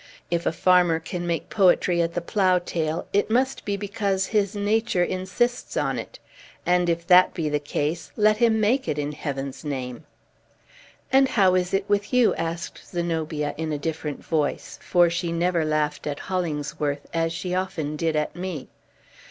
If a farmer can make poetry at the plough tail, it must be because his nature insists on it; and if that be the case, let him make it, in Heaven's name!" "And how is it with you?" asked Zenobia, in a different voice; for she never laughed at Hollingsworth, as she often did at me.